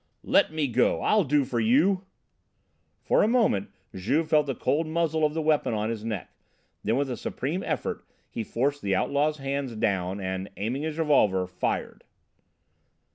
"Let me go! I'll do for you " For a moment Juve felt the cold muzzle of the weapon on his neck. Then, with a supreme effort, he forced the outlaw's hands down and, aiming his revolver, fired.